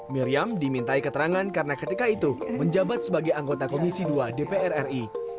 miriam dimintai keterangan karena ketika itu menjabat sebagai anggota komisi dua dpr ri